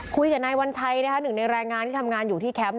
คุยกับนายวัญชัยนะคะหนึ่งในแรงงานที่ทำงานอยู่ที่แคมป์